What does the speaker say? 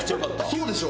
そうでしょ？